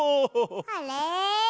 あれ？